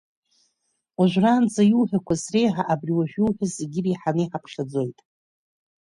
Уажәраанӡа иуҳәақәаз реиҳа абри уажәы иуҳәаз зегьы иреицәаны иҳаԥхьаӡоит…